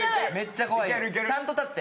ちゃんと立って。